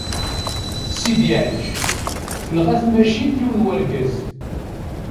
Sidi Ɛic, tenɣa tmacint yiwen n urgaz.